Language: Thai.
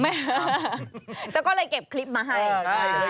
แล้วก็เลยเก็บคลิปมาให้